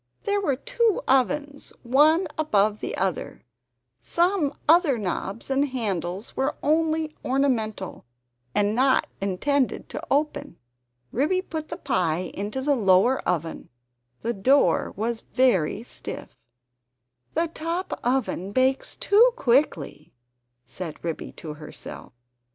There were two ovens, one above the other; some other knobs and handles were only ornamental and not intended to open. Ribby put the pie into the lower oven; the door was very stiff. "The top oven bakes too quickly," said Ribby to herself.